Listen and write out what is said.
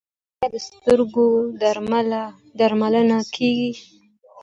آیا د سترګو درملنه کیږي؟